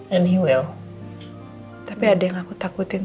any well tapi ada yang aku takutin